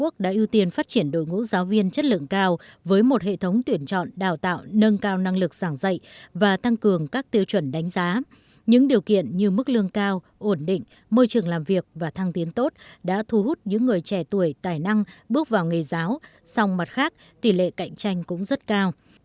các trường đại học có trình độ học vấn cao ổn định môi trường làm việc và thăng tiến tốt đã thu hút những người trẻ tuổi tài năng bước vào nghề giáo song mặt khác tỷ lệ cạnh tranh cũng rất cao